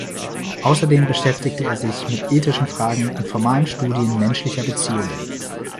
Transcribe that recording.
Außerdem beschäftigte er sich mit ethischen Fragen und formalen Studien menschlicher Beziehungen.